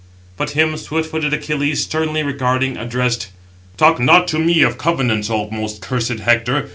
But him swift footed Achilles sternly regarding, addressed: "Talk not to me of covenants, O most cursed Hector.